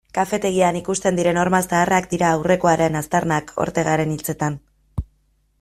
Kafetegian ikusten diren horma zaharrak dira aurrekoaren aztarnak, Ortegaren hitzetan.